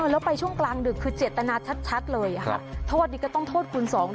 แล้วไปช่วงกลางดึกคือเจตนาชัดชัดเลยค่ะครับโทษดีก็ต้องโทษคุณสองด้วย